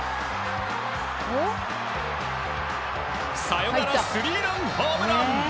サヨナラスリーランホームラン！